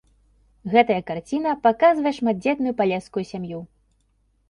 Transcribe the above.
Гэтая карціна паказвае шматдзетную палескую сям'ю.